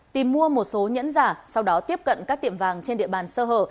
tìm mua một số nhẫn giả sau đó tiếp cận các tiệm vàng trên địa bàn sơ hở